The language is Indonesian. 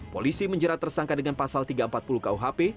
polisi menjerat tersangka dengan pasal tiga ratus empat puluh kuhp